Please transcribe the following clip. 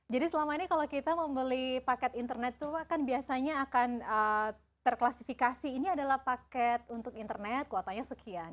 jadi selama ini kalau kita membeli paket internet itu pak kan biasanya akan terklasifikasi ini adalah paket untuk internet kuotanya sekian